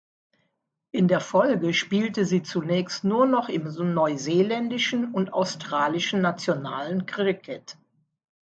In der Folge spielte sie zunächst nur noch im neuseeländischen und australischen nationalen Cricket.